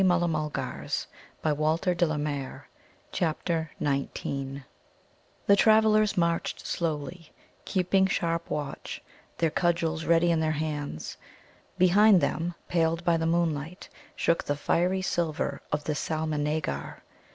CHAPTER XIX The travellers marched slowly, keeping sharp watch, their cudgels ready in their hands. Behind them, paled by the moonlight, shook the fiery silver of the Salemnāgar.